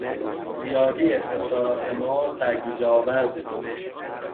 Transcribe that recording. زیادی خسارات ما سرگیجهآور بود.